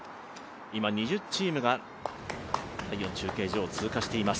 今２０チームが第４中継所を通過しています。